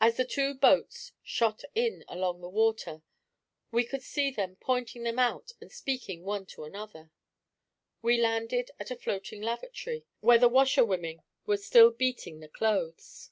And as the two boats shot in along the water, we could see them pointing them out and speaking one to another. We landed at a floating lavatory, where the washerwomen were still beating the cloth